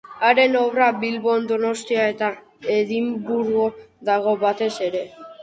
Haren obra Bilbon, Donostian eta Edinburgon dago, batez ere.